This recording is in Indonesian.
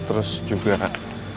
terus juga kak